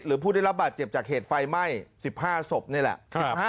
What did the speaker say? ผู้ได้รับบาดเจ็บจากเหตุไฟไหม้๑๕ศพนี่แหละ